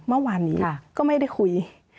เมื่อวานนี้ก็ไม่ได้คุย